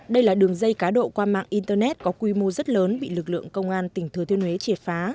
đây là đường dây cá độ qua mạng internet có quy mô rất lớn bị lực lượng công an tỉnh thừa thiên huế triệt phá